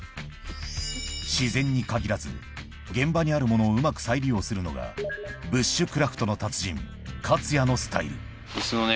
自然に限らず現場にあるものをうまく再利用するのがブッシュクラフトの達人ＫＡＴＳＵＹＡのスタイル椅子のね